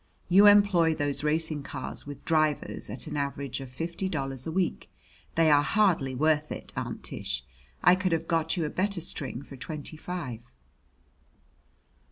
You employ those racing cars with drivers at an average of fifty dollars a week. They are hardly worth it, Aunt Tish. I could have got you a better string for twenty five."